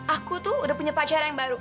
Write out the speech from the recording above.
aku tuh udah punya pacara yang baru